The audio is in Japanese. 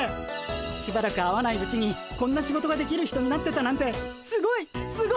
しばらく会わないうちにこんな仕事ができる人になってたなんてすごいっ！